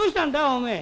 おめえ。